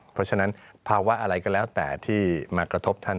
เพราะฉะนั้นภาวะอะไรก็แล้วแต่ที่มากระทบท่าน